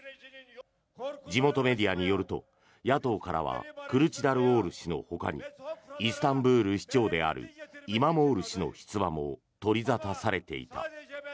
地元メディアによると野党からはクルチダルオール氏のほかにイスタンブール市長であるイマモール氏の出馬も取り沙汰されていた。